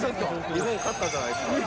日本勝ったじゃないですか。